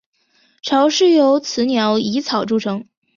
巢是由雌鸟以草筑成。